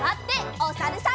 おさるさん。